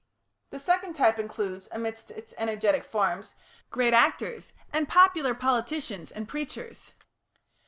The second type includes, amidst its energetic forms, great actors, and popular politicians and preachers.